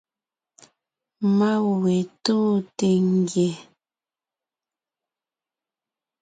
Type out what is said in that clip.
Má we tóonte ngie.